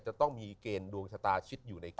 จะต้องมีเกณฑ์ดวงชะตาชิดอยู่ใน๙